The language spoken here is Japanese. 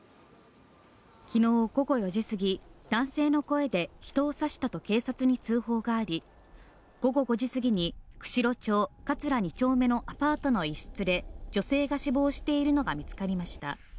昨日午後４時過ぎ男性の声で人を刺したと警察に通報があり午後５時過ぎに、釧路町桂２丁目のアパートの一室で女性が死亡しているのが見つかりました。